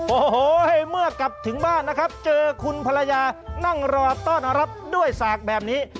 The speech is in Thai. โอ้โหเมื่อกลับถึงบ้านนะครับเจอคุณภรรยานั่งรอต้อนรับด้วยสากแบบนี้